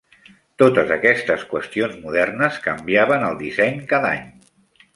Totes aquestes qüestions modernes canviaven el disseny cada any.